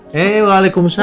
hei wa'alaikum salam